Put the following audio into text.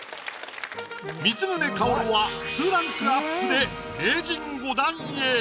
光宗薫は２ランクアップで名人５段へ。